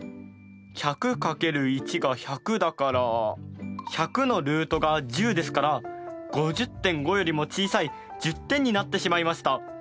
１００×１が１００だから１００のルートが１０ですから５０．５よりも小さい１０点になってしまいました。